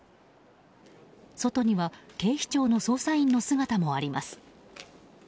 外には警視庁の捜査員の姿もあります。